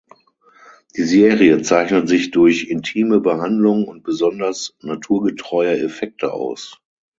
Die Serie zeichnet sich durch intime Behandlung und besonders naturgetreue Effekte aus.